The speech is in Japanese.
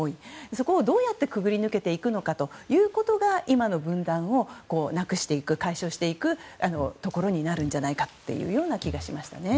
そこをどう潜り抜けていくかということが今の分断をなくしていく解消していくところになるんじゃないかという気がしましたね。